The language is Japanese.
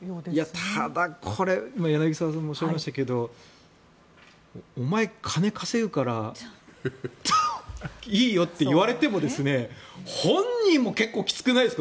ただこれ、柳澤さんもおっしゃいましたがお前、金稼ぐからいいよって言われても本人も結構きつくないですか？